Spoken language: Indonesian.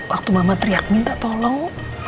waktu mama teriak minta tolong